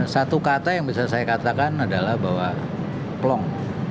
satu kata yang bisa saya katakan adalah bahwa plong